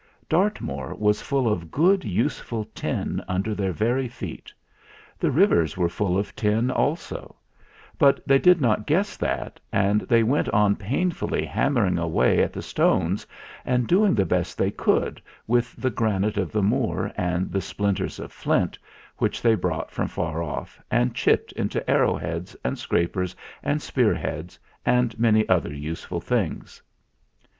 Dart moor was full of good useful tin under their very feet; the rivers were full of tin also; but they did not guess that, and they went on pain fully hammering away at the stones and doing the best they could with the granite of the Moor and the splinters of flint, which they 14 THE FLINT HEART brought from far off and chipped into arrow heads and scrapers and spear heads, and many other useful things.